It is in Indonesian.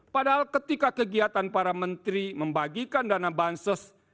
padahal ketika kegiatan para menteri membagikan dana bansos